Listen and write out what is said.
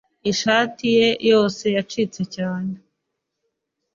ishati ye yose yacitse cyane